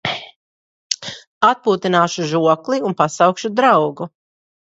Atpūtināšu žokli un pasaukšu draugu.